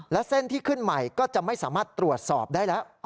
และเส้นที่ขึ้นใหม่ก็จะไม่สามารถตรวจสอบได้แล้ว